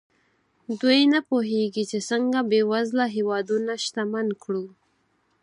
دوی نه پوهېږي چې څنګه بېوزله هېوادونه شتمن کړو.